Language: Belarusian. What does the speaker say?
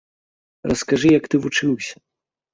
Раскажы, як ты вучыўся?